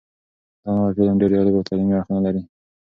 دا نوی فلم ډېر جالب او تعلیمي اړخونه لري.